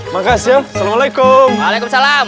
makasih ya assalamualaikum